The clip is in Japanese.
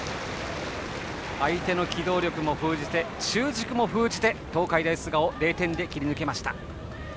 相手の機動力も封じて中軸も封じて東海大菅生０点で切り抜けました。